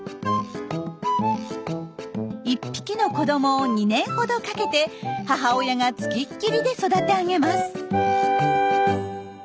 １匹の子どもを２年ほどかけて母親が付きっきりで育て上げます。